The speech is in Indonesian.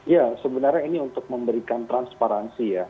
ya sebenarnya ini untuk memberikan transparansi ya